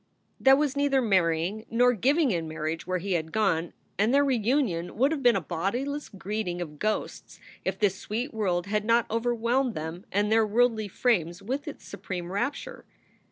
There was neither marrying nor giving in marriage where he had gone, and their reunion would have been a bodiless greeting of ghosts if this sweet world had not overwhelmed them and their worldly frames with its supreme rapture.